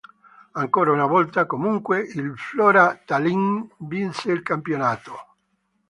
Ancora una volta, comunque, il Flora Tallinn vinse il campionato.